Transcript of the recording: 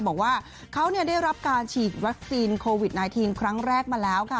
บอกว่าเขาได้รับการฉีดวัคซีนโควิด๑๙ครั้งแรกมาแล้วค่ะ